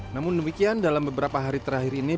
namun demikian dalam beberapa hari terakhir ini